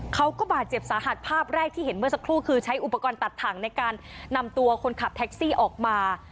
เขาก็บาดเจ็บสาหัสภาพแรกที่เห็นเมื่อสักครู่คือใช้อุปกรณ์ตัดถังในการนำตัวคนขับแท็กซี่ออกมา